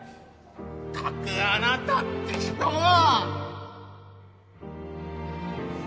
まったくあなたって人は！